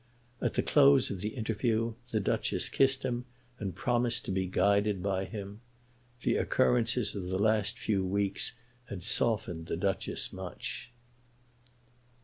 At the close of the interview the Duchess kissed him and promised to be guided by him. The occurrences of the last few weeks had softened the Duchess much.